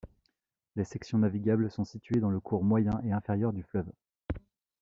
Les sections navigables sont situées dans le cours moyen et inférieur du fleuve.